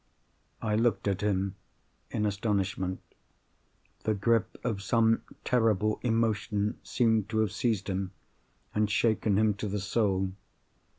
I looked at him in astonishment. The grip of some terrible emotion seemed to have seized him, and shaken him to the soul.